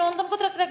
harus dibuang ada ada